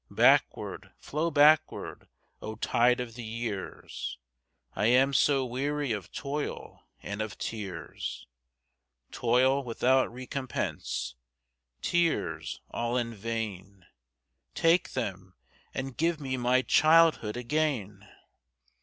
Backward, flow backward, O tide of the years!I am so weary of toil and of tears,—Toil without recompense, tears all in vain,—Take them, and give me my childhood again!